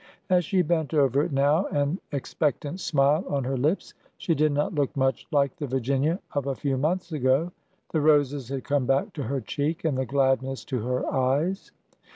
As she bent over it now, an expec tant smile on her lips, she did not look much like the Vir ginia of a few months ago. The roses had come back to her cheek and the gladness to her eyes.